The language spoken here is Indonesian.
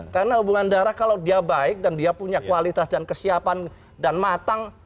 karena hubungan darah kalau dia baik dan dia punya kualitas dan kesiapan dan matang